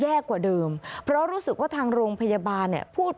พาพนักงานสอบสวนสนราชบุรณะพาพนักงานสอบสวนสนราชบุรณะ